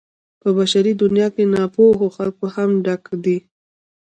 په بشري دنيا کې ناپوهو خلکو هم ډک دی.